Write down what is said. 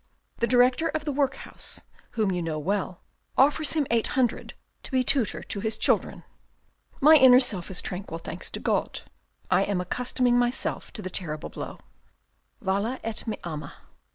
The director of the workhouse, whom you know well, offers him eight hundred to be tutor to his children. My inner self is tranquil, thanks to God. I am accustoming myself to the terrible blow, ' Vale et me ama.'